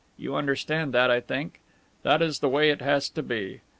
You understand that, I think. That is the way it has to be.